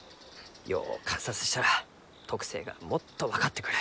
よう観察したら特性がもっと分かってくる。